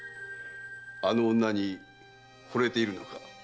あの女に惚れているのか？